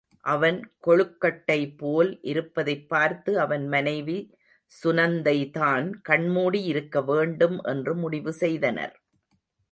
அவன் கொழுக்கட்டைபோல் இருப்பதைப் பார்த்து அவன் மனைவி சுநந்தைதான் கண்மூடி இருக்கவேண்டும் என்று முடிவு செய்தனர்.